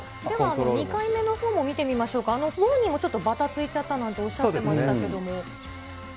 ２回目のほうを見てみましょうか、ご本人もちょっとばたついちゃったなんておっしゃってましたけども。